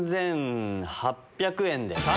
３８００円で。